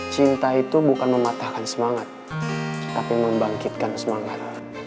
cinta itu bukan mematahkan semangat tapi membangkitkan semangat